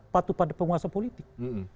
patuh pada penguasa politik